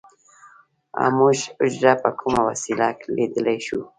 موږ حجره په کومه وسیله لیدلی شو